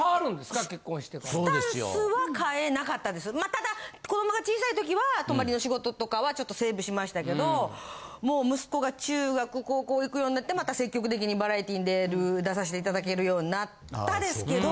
ただ子どもが小さいときは泊まりの仕事とかはちょっとセーブしましたけどもう息子が中学高校行くようになってまた積極的にバラエティー出る出さしていただけるようになったですけど。